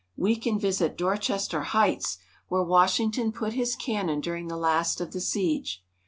We can visit Dor chester Heights, where Wash \^ 1 ington put his cannon during the last of the siege.